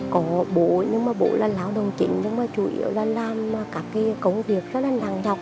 có bố nhưng mà bố là lao động chính nhưng mà chủ yếu là làm các cái công việc rất là nặng nhọc